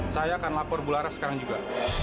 saya akan lapor bularas sekarang juga